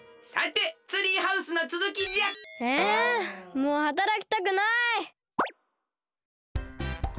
もうはたらきたくない！